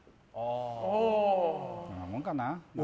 こんなもんかな。